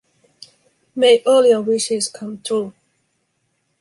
May all your wishes come true.